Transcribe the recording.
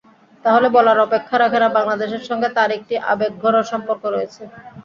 তাহলে বলার অপেক্ষা রাখে না, বাংলাদেশের সঙ্গে তাঁর একটি আবেগঘন সম্পর্ক রয়েছে।